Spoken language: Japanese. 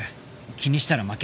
気にしたら負け。